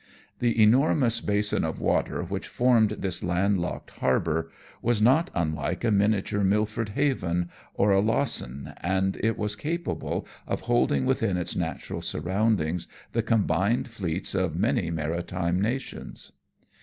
The enormous basin of water which formed this land locked harbour was not unlike a miniature Milford Haven or a Lossin, and it was capable of holding within its natural surroundings the combined fleets of many maritime nations.